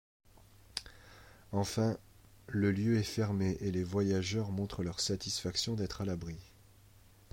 Enfin, le lieu est fermé et les voyageurs montrent leur satisfaction d'être à l'abri.